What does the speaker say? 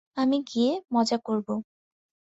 আমি গিয়ে মজা করব।